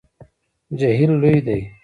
جهیل لوی دی